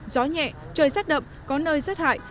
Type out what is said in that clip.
gió nhẹ trời rét đậm có nơi rét hại